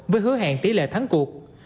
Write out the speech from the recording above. với hứa hẹn tỷ lệ thắng cuộc